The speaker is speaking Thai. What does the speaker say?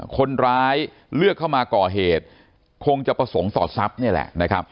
คนร้ายเลือกเข้ามาก่อเหตุคงจะประสงค์ต่อทรัพย์นี่แหละนะครับ